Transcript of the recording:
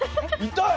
痛い！